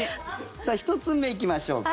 さあ、１つ目行きましょうか。